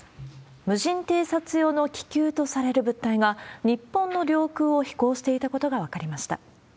無人偵察用の気球とされる物体が、日本の領空を飛行していたことが分かりました。